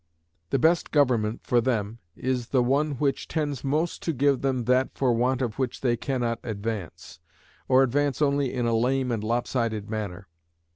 The best government for them is the one which tends most to give them that for want of which they can not advance, or advance only in a lame and lopsided manner.